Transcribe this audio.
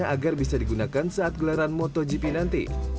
agar bisa digunakan saat gelaran motogp nanti